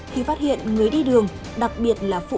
khi phát hiện người đi đường đặc biệt là phụ nữ